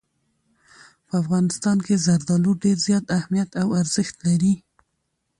په افغانستان کې زردالو ډېر زیات اهمیت او ارزښت لري.